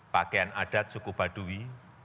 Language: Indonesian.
pakaian adat suku baduy